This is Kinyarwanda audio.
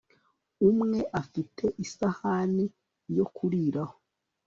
Umwe afite isahani yo kuriraho